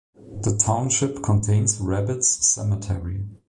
The township contains Rabbits Cemetery.